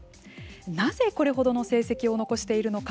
なぜこれほどの成績を残しているのか。